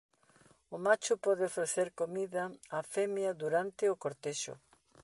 O macho pode ofrecer comida á femia durante o cortexo.